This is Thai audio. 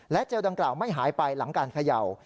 เจลดังกล่าวไม่หายไปหลังการเขย่า